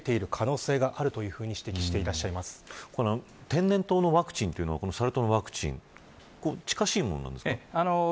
天然痘のワクチンというのはサル痘のワクチン近しいものなんですか。